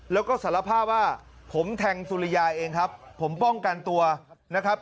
แล้วก็สารภาพว่าผมแทงสุริยาเองครับผมป้องกันตัวนะครับ